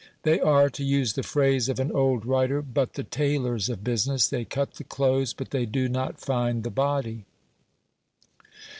They are, to use the phrase of an old writer, "but the tailors of business; they cut the clothes, but they do not find the body".